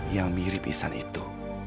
yang mirip isan itu